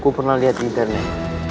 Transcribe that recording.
gua pernah liat di internet